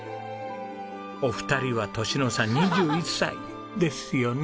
お二人は年の差２１歳。ですよね？